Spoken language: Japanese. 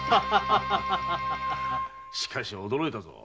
しかし驚いたぞ。